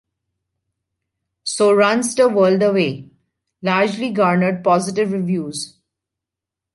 "So Runs the World Away" largely garnered positive reviews.